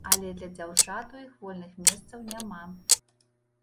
Але для дзяўчат у іх вольных месцаў няма.